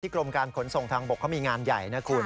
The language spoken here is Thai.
กรมการขนส่งทางบกเขามีงานใหญ่นะคุณ